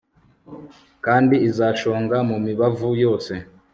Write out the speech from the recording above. Kandi izashonga mumibavu yose